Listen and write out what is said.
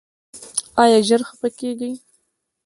ایا ژر خفه کیږئ؟